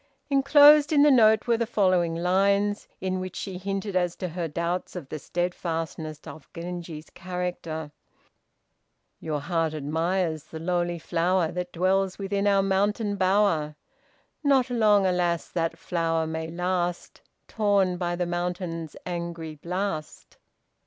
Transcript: " Enclosed in the note were the following lines, in which she hinted as to her doubts of the steadfastness of Genji's character: "Your heart admires the lowly flower That dwells within our mountain bower. Not long, alas! that flower may last Torn by the mountain's angry blast."